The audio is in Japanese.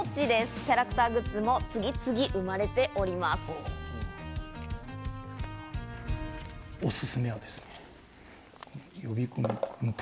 キャラクターグッズも次々生まれております。